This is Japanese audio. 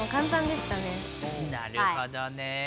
なるほどね。